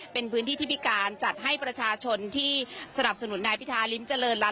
เป็นพื้นที่ที่พิการจัดให้ประชาชนที่สนับสนุนนายพิธาริมเจริญรัฐ